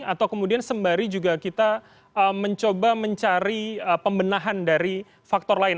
atau kemudian sembari juga kita mencoba mencari pembenahan dari faktor lain